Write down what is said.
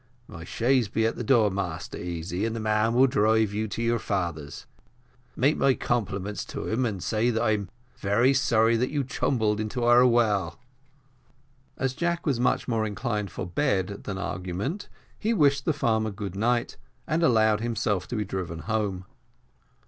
My chaise be at the door, Master Easy, and the man will drive you to your father's make my compliments to him, and say that I'm very sorry that you tumbled into our well." As Jack was much more inclined for bed than argument, he wished the farmer good night, and allowed himself to be driven home.